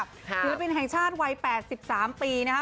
ศิลปินแห่งชาติวัย๘๓ปีนะคะ